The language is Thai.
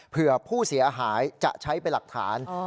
เผื่อผู้เสียหายจะใช้เป็นหลักฐาน